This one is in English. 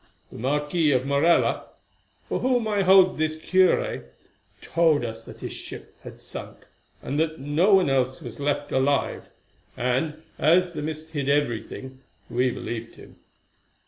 The Marquis of Morella, from whom I hold this cure, told us that his ship had sunk, and that no one else was left alive, and, as the mist hid everything, we believed him.